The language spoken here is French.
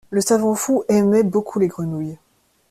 Le savant fou aimait beaucoup les grenouilles.